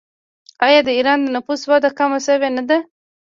آیا د ایران د نفوس وده کمه شوې نه ده؟